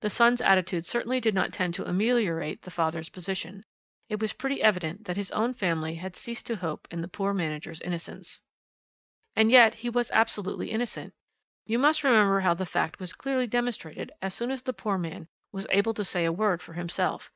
The son's attitude certainly did not tend to ameliorate the father's position. It was pretty evident that his own family had ceased to hope in the poor manager's innocence. "And yet he was absolutely innocent. You must remember how that fact was clearly demonstrated as soon as the poor man was able to say a word for himself.